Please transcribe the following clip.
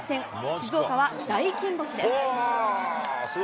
静岡は大金星です。